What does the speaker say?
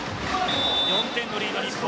４点のリード、日本。